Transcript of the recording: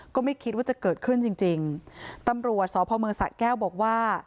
ก็ไม่คิดว่าจะเกิดขึ้นจริงจริงตำรวจสพเมืองสะแก้วบอกว่า